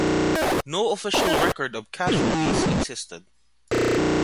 No official record of casualties existed.